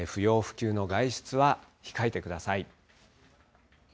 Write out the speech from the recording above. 不要不急の外出は控えてください。